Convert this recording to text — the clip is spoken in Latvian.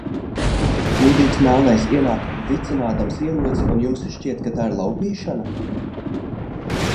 Būdīgs melnais ienāk, vicinādams ieroci, un jums šķiet, ka tā ir laupīšana?